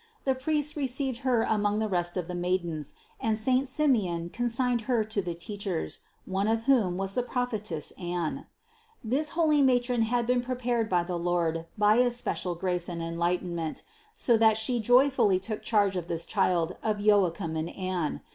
The priests received Her among the rest of the maidens, and saint Simeon con signed Her to the teachers, one of whom was the prophetess Anne. This holy matron had been prepared by the Lord by especial grace and enlightenment, so that She joyfully took charge of this Child of Joachim and Anne.